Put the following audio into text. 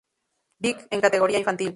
Vic en categoria Infantil.